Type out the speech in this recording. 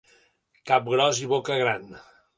Cap gros i boca gran.